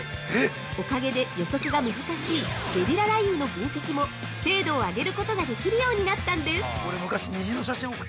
おかげで予測が難しい「ゲリラ雷雨」の分析も精度を上げることができるようになったんです！